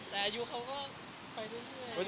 แต่อายุเขาก็ค่อยด้วยด้วย